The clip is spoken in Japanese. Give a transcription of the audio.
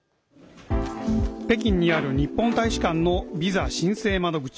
北京にある日本大使館のビザ申請窓口。